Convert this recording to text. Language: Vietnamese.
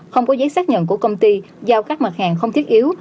không có giấy xác nhận của công ty giao các mặt hàng không thiết yếu